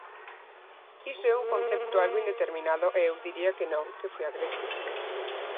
Iso é un concepto algo indeterminado e eu diría que non, que foi agredido.